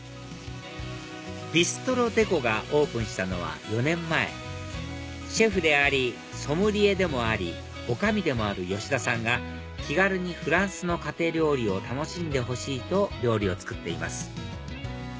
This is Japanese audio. ビストロデコがオープンしたのは４年前シェフでありソムリエでもあり女将でもある田さんが気軽にフランスの家庭料理を楽しんでほしいと料理を作っています